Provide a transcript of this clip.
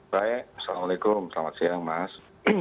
baik assalamualaikum selamat siang mas